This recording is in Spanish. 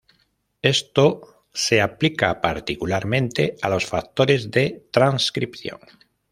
Esto se aplica particularmente a los factores de transcripción.